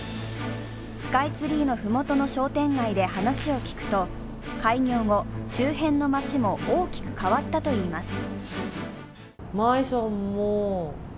スカイツリーの麓の商店街で話を聞くと開業後、周辺の街も大きく変わったといいます。